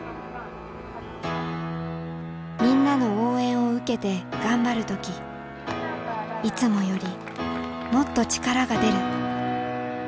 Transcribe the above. みんなの応援を受けて頑張る時いつもよりもっと力が出る。